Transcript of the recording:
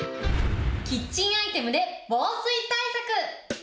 キッチンアイテムで防水対策。